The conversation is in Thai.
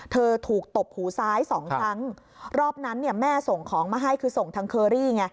เธอถูกตบหูซ้ายสองครั้งรอบนั้นเนี่ยแม่ส่งของมาให้คือส่งทางเคอรี่ไง